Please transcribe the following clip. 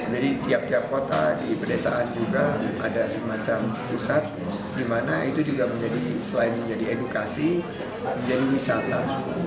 jadi di tiap tiap kota di pedesaan juga ada semacam pusat di mana itu juga menjadi selain menjadi edukasi menjadi wisata